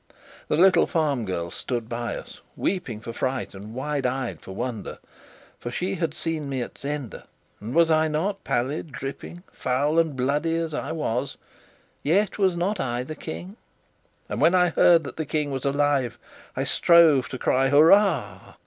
The little farm girl stood by us, weeping for fright and wide eyed for wonder; for she had seen me at Zenda; and was not I, pallid, dripping, foul, and bloody as I was yet was not I the King? And when I heard that the King was alive, I strove to cry "Hurrah!"